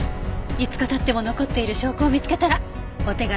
５日経っても残っている証拠を見つけたらお手柄よ。